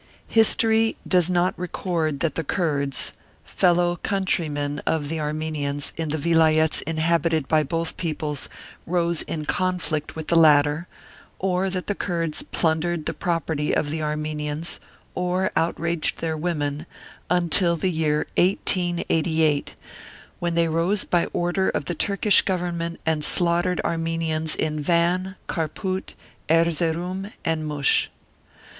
History does not record that the Kurds, fellow countrymen of the io Martyred Armenia Armenians in the Vilayets inhabited by both peoples, rose in conflict with the latter, or that the Kurds plundered the property of the Armenians, or out raged their women, until the year 1888, when they rose by order of the Turkish Government and slaughtered Armenians in Van, Kharpout, Erze roum, and Moush.